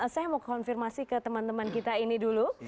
saya mau konfirmasi ke teman teman kita ini dulu